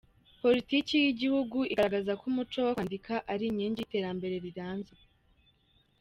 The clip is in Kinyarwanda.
Politiki y’igihugu igaragaza ko umuco wo kwandika ari inkingi y’iterambere rirambye.